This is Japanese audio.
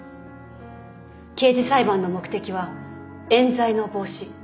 刑事裁判の目的は冤罪の防止。